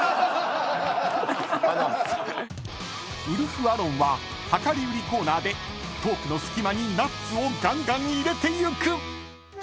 ［ウルフ・アロンは量り売りコーナーでトークの隙間にナッツをガンガン入れていく］